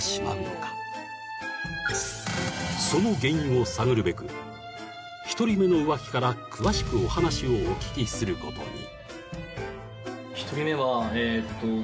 ［その原因を探るべく１人目の浮気から詳しくお話をお聞きすることに］